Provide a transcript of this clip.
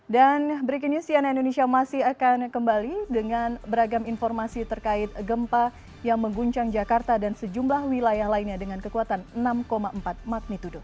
dan breaking news cnn indonesia masih akan kembali dengan beragam informasi terkait gempa yang mengguncang jakarta dan sejumlah wilayah lainnya dengan kekuatan enam empat magnitudo